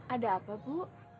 ada apa bu